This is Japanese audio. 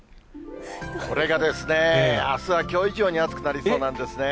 それがですね、あすはきょう以上に暑くなりそうなんですね。